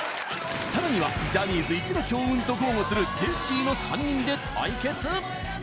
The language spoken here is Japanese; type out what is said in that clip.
さらにはジャニーズ一の強運と豪語するジェシーの３人で対決